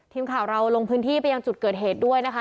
ทีมข่าวเราลงพื้นที่ไปยังจุดเกิดเหตุด้วยนะคะ